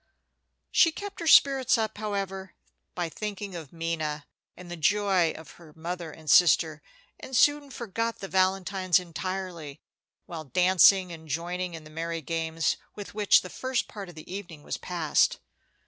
She kept her spirits up, however, by thinking of Minna, and the joy of her mother and sister, and soon forgot the valentines entirely, while dancing and joining in the merry games with which the first part of the evening was passed.